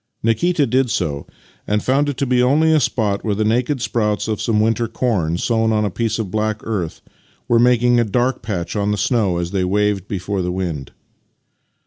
Nikita did so, and found it to be only a spot where the naked sprouts of some winter corn sown on a piece of black earth were making a dark patch on the snow as they waved before the wind.